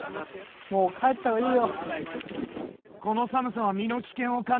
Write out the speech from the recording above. もう帰った方がいいよ」